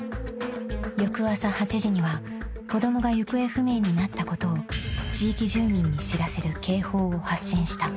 ［翌朝８時には子供が行方不明になったことを地域住民に知らせる］